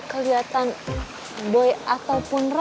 seseorang lagi enak promosi